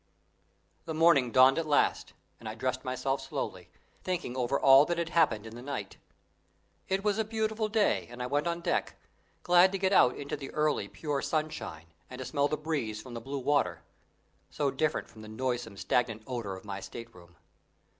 The morning dawned at last, and I dressed myself slowly, thinking over all that had happened in the night. It was a beautiful day and I went on deck, glad to get out into the early, pure sunshine, and to smell the breeze from the blue water, so different from the noisome, stagnant odour of my state room.